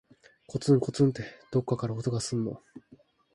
こつんこつんって、どっかから音がすんの。